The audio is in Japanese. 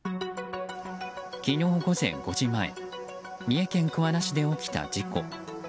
昨日午前５時前三重県桑名市で起きた事故。